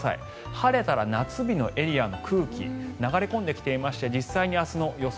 晴れたら夏日のエリアの空気流れ込んできていまして実際に明日の予想